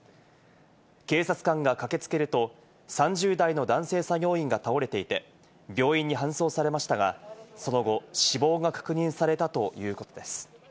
警察官が駆けつけると、３０代の男性作業員が倒れていて、病院に搬送されましたが、その後、死亡が確認されたということです。